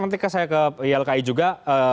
nanti saya ke ylki juga